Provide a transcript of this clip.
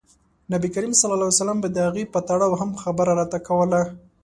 نبي کریم ص به د هغې په تړاو هم خبره راته کوله.